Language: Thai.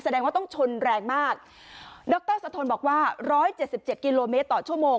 แสดงว่าต้องชนแรงมากดรสะทนบอกว่าร้อยเจ็ดสิบเจ็ดกิโลเมตรต่อชั่วโมง